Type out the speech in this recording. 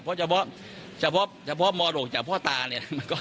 เพราะเฉพาะมโดจากพ่อตาเนี่ย